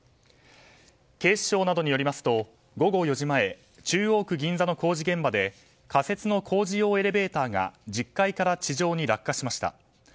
警視庁などによりますと午後４時前中央区銀座の工事現場で仮設の工事用エレベーターが１０階から地上に落下しました。